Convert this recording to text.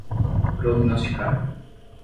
prognosticar